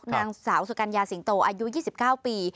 นางสาวสุกัญญาสิงโตอายุ๒๙ปี